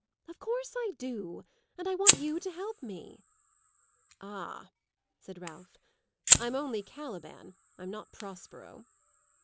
"Of course I do, and I want you to help me." "Ah," said Ralph, "I'm only Caliban; I'm not Prospero."